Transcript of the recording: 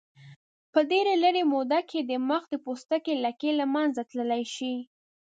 په ډېرې لږې موده کې د مخ د پوستکي لکې له منځه تللی شي.